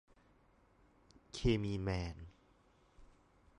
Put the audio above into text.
เคมีแมน